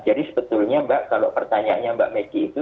jadi sebetulnya mbak kalau pertanyaannya mbak meggy itu